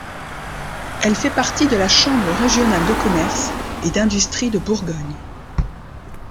Elle fait partie de la Chambre régionale de commerce et d'industrie de Bourgogne.